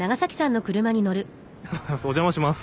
お邪魔します。